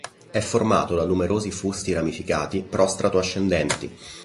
È formato da numerosi fusti ramificati prostrato-ascendenti.